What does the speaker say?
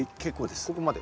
ここまで？